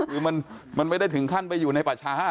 คือมันไม่ได้ถึงขั้นไปอยู่ในป่าช้า